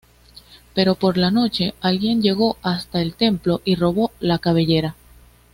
Pero por la noche alguien llegó hasta el templo y robó la cabellera.